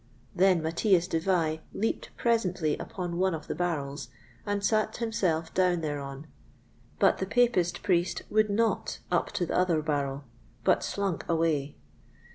Then Matthias de Vai leaped presently upon one of the barrels and sat himself down thereon; but the Papist Priest would not up to the other barrel, but slunk away.